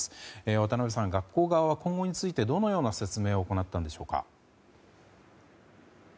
渡辺さん、学校側は今後についてどのような説明を行ったんでしょうか。